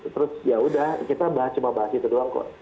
terus yaudah kita bahas cuma bahas itu doang kok